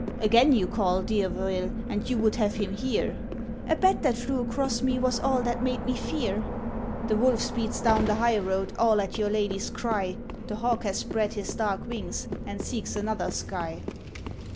' Again you call, Dearbhorgil, and you would have him hear ?'' A bat that flew across me was all that made me fear.' ' The wolf speeds down the highroad all at your lady's cry, The hawk has spread his dark wings, and seeks another sky.'